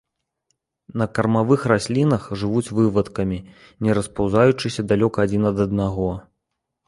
На кармавых раслінах жывуць вывадкамі, не распаўзаючыся далёка адзін ад аднаго.